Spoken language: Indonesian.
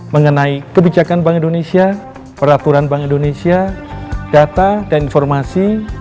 mengenai kebijakan bank indonesia peraturan bank indonesia data dan informasi